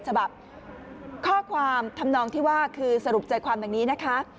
ฉบับข้อความทำนองที่ว่าคือสรุปใจความดังนี้นะคะ